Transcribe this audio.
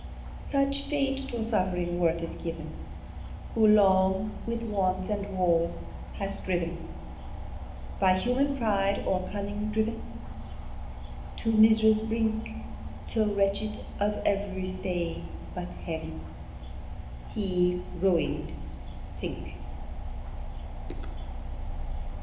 Such fate to suffering worth is giv'n, Who long with wants and woes has striv'n, By human pride or cunning driv'n To mis'ry's brink; Till wrench'd of ev'ry stay but Heav'n, He, ruin'd, sink!